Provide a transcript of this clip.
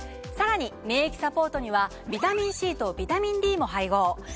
さらに免疫サポートにはビタミンＣとビタミンＤも配合。